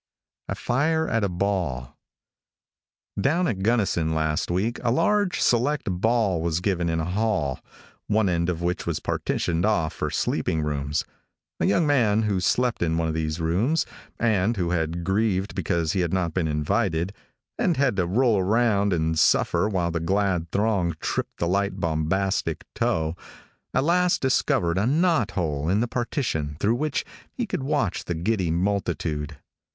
A FIRE AT A BALL. |DOWN at Gunnison last week a large, select ball was given in a hall, one end of which was partitioned off for sleeping rooms. A young man who slept in one of these rooms, and who felt grieved because he had not been invited, and had to roll around and suffer while the glad throng tripped the light bombastic toe, at last discovered a knot hole in the partition through which he could watch the giddy multitude.